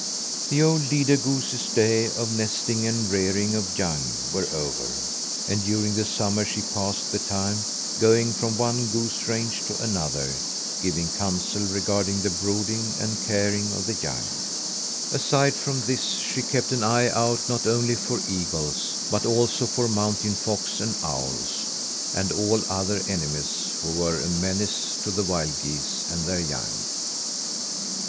The old leader goose's days of nesting and rearing of young were over, and during the summer she passed the time going from one goose range to another, giving counsel regarding the brooding and care of the young. Aside from this she kept an eye out not only for eagles but also for mountain fox and owls and all other enemies who were a menace to the wild geese and their young.